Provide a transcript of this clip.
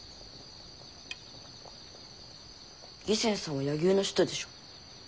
義仙さんは柳生の人でしょ？